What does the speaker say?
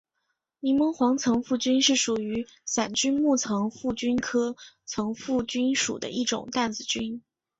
柠檬黄层腹菌是属于伞菌目层腹菌科层腹菌属的一种担子菌。